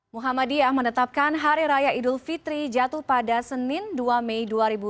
muhammadiyah menetapkan hari raya idul fitri jatuh pada senin dua mei dua ribu dua puluh